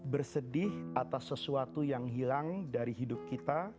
bersedih atas sesuatu yang hilang dari hidup kita